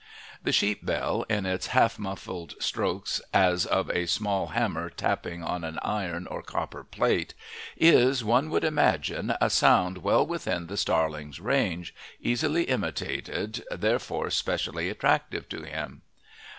The sheep bell, in its half muffled strokes, as of a small hammer tapping on an iron or copper plate, is, one would imagine, a sound well within the starling's range, easily imitated, therefore specially attractive to him.